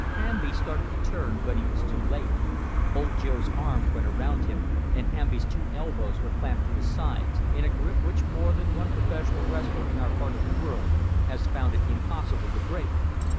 Hamby started to turn, but he was too late. Old Joe's arms went around him, and Hamby's two elbows were clamped to his sides, in a grip which more than one professional wrestler in our part of the world has found it impossible to break.